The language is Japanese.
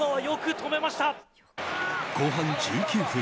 後半１９分。